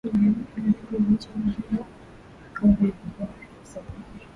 Ugiriki na nchi nyingine walioingia ndani ya sehemu